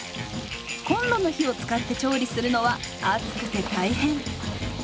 コンロの火を使って調理するのは暑くて大変。